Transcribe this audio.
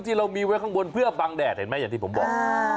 ที่เรามีไว้ข้างบนเพื่อบังแดดเห็นไหมอย่างที่ผมบอก